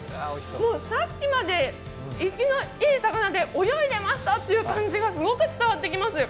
さっきまで生きのいい魚で泳いでましたという感じがすごく伝わってきます。